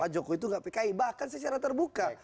joko itu tidak pki bahkan secara terbuka